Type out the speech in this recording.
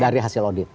dari hasil audit